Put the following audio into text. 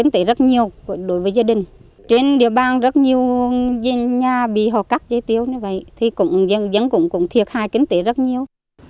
trên địa bàn rất nhiều dân nhà bị hộ cắt dây tiêu dân cũng thiệt hại kinh tế rất nhiều